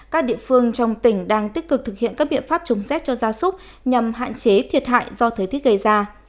các địa phương trong tỉnh đang tích cực thực hiện các biện pháp chống rét cho gia súc nhằm hạn chế thiệt hại do thời tiết gây ra